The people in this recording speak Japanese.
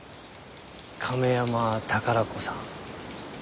亀山宝子さん？